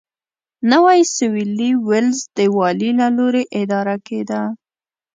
نوی سوېلي ویلز د والي له لوري اداره کېده.